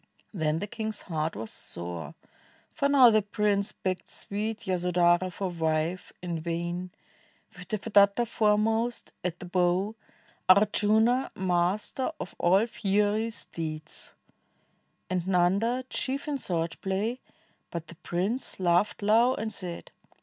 Then the king's heart was sore, for now the prince Begged sweet Yasodhara for wife — in vain. With Devadatta foremost at the bow, Ardjuna master of all fien, steeds. And Xanda chief in sword play; but the prince Laughed low and said.